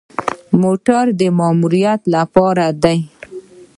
موټر د ماموریت لپاره دی